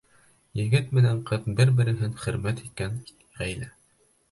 Егет менән ҡыҙ бер-береһен хөрмәт иткән ғаилә!